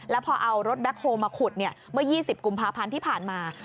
แล้วพอเอารถแบ็คโฮลมาขุดเมื่อ๒๐กุมภาพันธ์ที่ผ่านมา